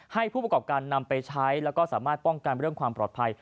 ให้ผู้ประกอบการนำไปใช้แล้วก็สามารถป้องกันเรื่องความปลอดภัย